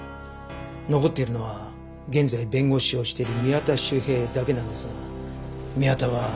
残っているのは現在弁護士をしている宮田秀平だけなんですが宮田は。